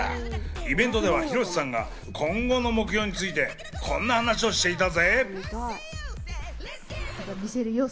イベントでは広瀬さんが今後の目標について、こんな話をしていたぜ！